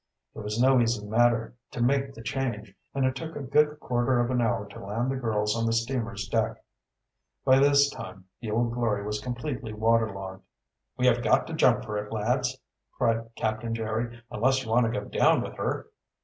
It was no easy matter to make the change, and it took a good quarter of an hour to land the girls on the steamer's deck. By this time the Old Glory was completely water logged. "We have got to jump for it, lads!" cried Captain Jerry, "unless you want to go down with her!"